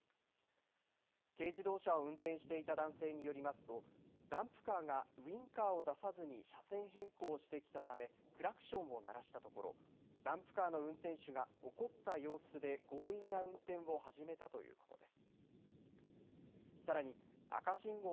軽自動車を運転していた男性によりますとダンプカーがウインカーを出さずに車線変更してきたためクラクションを鳴らしたところダンプカーの運転手が怒った様子で強引な運転を始めたということです。